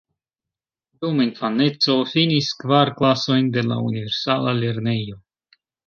Dum infaneco finis kvar klasojn de la universala lernejo.